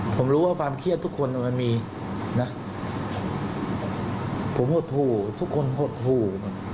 ผมรู้ว่าความเครียดทุกคนมันมีนะผมหดหู่ทุกคนหดหู่